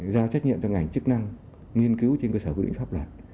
giao trách nhiệm cho ngành chức năng nghiên cứu trên cơ sở quy định pháp luật